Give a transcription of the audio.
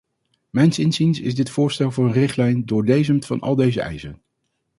Mijns inziens is dit voorstel voor een richtlijn doordesemd van al deze eisen.